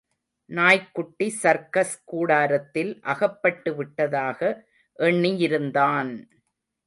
நாய்க்குட்டி சர்க்கஸ் கூடாரத்தில் அகப்பட்டுவிட்டதாக எண்ணியிருந்தான்..!